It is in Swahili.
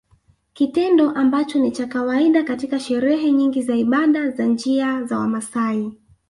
Kitendo ambacho ni cha kawaida katika sherehe nyingi za ibada za njia za Wamaasai